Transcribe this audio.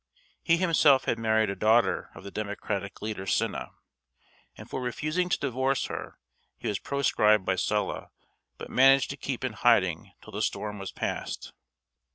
He himself had married a daughter of the democratic leader Cinna, and for refusing to divorce her he was proscribed by Sulla, but managed to keep in hiding till the storm was past.